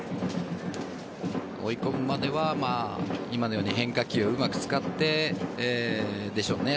追い込むまでは今のように変化球をうまく使ってでしょうね。